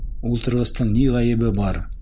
Ултырғыстың ни ғәйебе бар.